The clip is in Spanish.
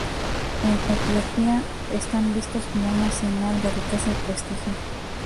En Etiopía, están vistos como una señal de riqueza y prestigio.